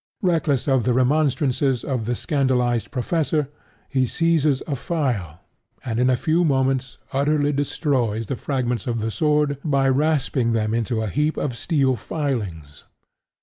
Reckless of the remonstrances of the scandalized professor, he seizes a file, and in a few moments utterly destroys the fragments of the sword by rasping them into a heap of steel filings.